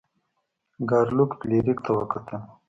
ګارلوک فلیریک ته وکتل.